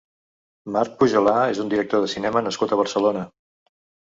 Marc Pujolar és un director de cinema nascut a Barcelona.